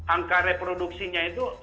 angka reproduksinya itu